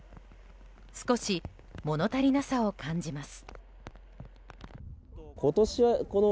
少し物足りなさを感じます。